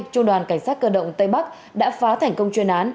trung đoàn cảnh sát cơ động tây bắc đã phá thành công chuyên án